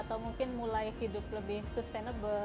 atau mungkin mulai hidup lebih sustainable